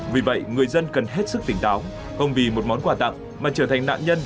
vì vậy người dân cần hết sức tỉnh táo không vì một món quà tặng mà trở thành nạn nhân